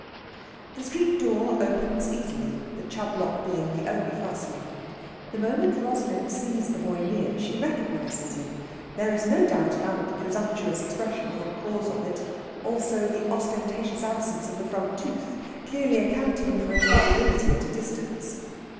The street door opens easily, the Chubb lock being the only fastening. The moment Rosalind sees the boy near she recognises him. There is no doubt about the presumptuous expression, or the cause of it. Also the ostentatious absence of the front tooth, clearly accounting for inaudibility at a distance.